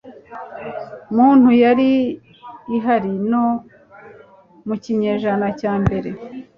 muntu yari ihari no mu kinyejana cya mbere